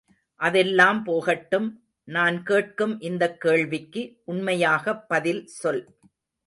அதெல்லாம் போகட்டும், நான் கேட்கும் இந்தக் கேள்விக்கு உண்மையாகப் பதில் சொல்.